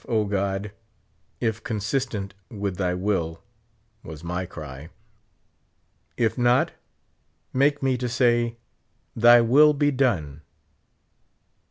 O God, if consistent with thy will, was my cry ; if not, make me to sa\' :*' Thy will be done."